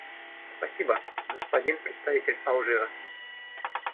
Спасибо, господин представитель Алжира.